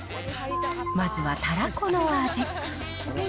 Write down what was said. まずはたらこの味。